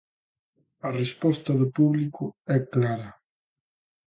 A resposta do público é clara.